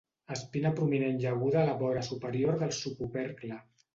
Espina prominent i aguda a la vora superior del subopercle.